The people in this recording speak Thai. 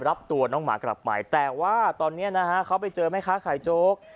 รับตัวน้องหมากลับไปแต่ว่าตอนนี้นะฮะเขาไปเจอแม่ค้าขายโจ๊ก